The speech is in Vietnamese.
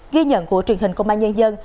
ghi nhận của truyền hình công an nhân dân